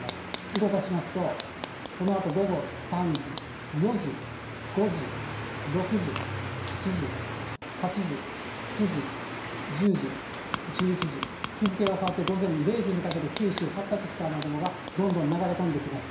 動かしますと、このあと午後３時、４時、５時、６時、７時、８時、９時、１０時、１１時、日付が変わって午前０時にかけて、九州、発達した雨雲がどんどん流れ込んできます。